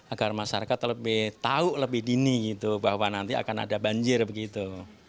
agar masyarakat lebih tahu lebih dini gitu bahwa nanti akan ada banjir begitu